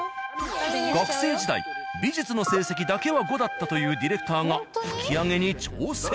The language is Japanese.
学生時代美術の成績だけは５だったというディレクターが拭き上げに挑戦。